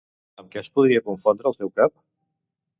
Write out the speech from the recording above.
Amb què es podia confondre el seu cap?